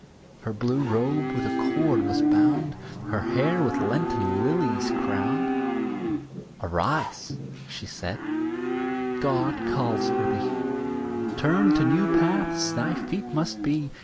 Her blue robe with a cord was bound, Her hair with Lenten lilies crowned. "Arise," she said "God calls for thee, Turned to new paths thy feet must be.